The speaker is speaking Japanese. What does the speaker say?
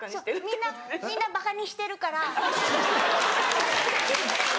みんなみんなばかにしてるから。